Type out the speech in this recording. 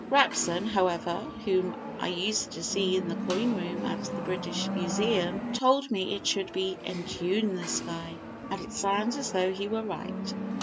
Rapson, however, whom I used to see in the coin room at the British Museum, told me it should be "entune the sky" and it sounds as though he were right.